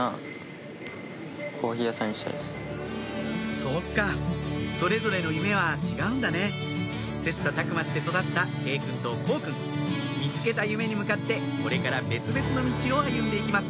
そうかそれぞれの夢は違うんだね切磋琢磨して育った慶くんと幸くん見つけた夢に向かってこれから別々の道を歩んで行きます